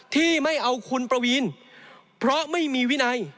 ที่ไม่เอาคุณประวีนเพราะไม่มีวินัย